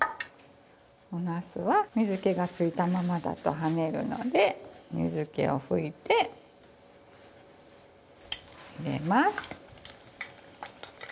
おなすは水気がついたままだと跳ねるので水気を拭いて入れます。